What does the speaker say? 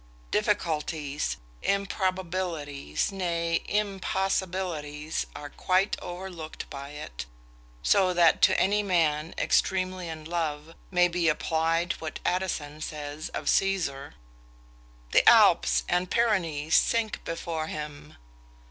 Difficulties, improbabilities, nay, impossibilities, are quite overlooked by it; so that to any man extremely in love, may be applied what Addison says of Caesar, "The Alps, and Pyrenaeans, sink before him!"